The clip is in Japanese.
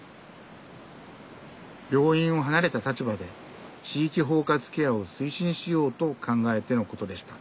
病院を離れた立場で地域包括ケアを推進しようと考えてのことでした。